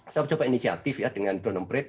saya mencoba inisiatif ya dengan drone upgrade